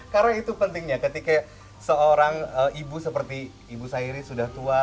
karena itu pentingnya ketika seorang ibu seperti ibu sairi sudah tua